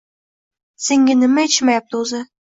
Senga nima yetishmayapti o'zi